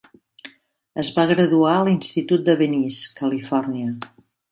Es va graduar a l'institut de Venice, Califòrnia.